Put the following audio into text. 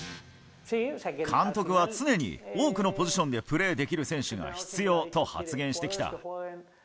監督は常に多くのポジションでプレーできる選手が必要と発言してきた。